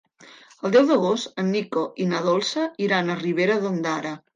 El deu d'agost en Nico i na Dolça iran a Ribera d'Ondara.